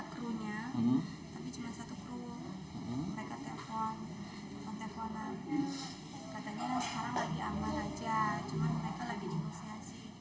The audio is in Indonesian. kru nya tapi cuma satu kru mereka telpon telpon telponan katanya sekarang lagi amat saja cuma mereka lagi negosiasi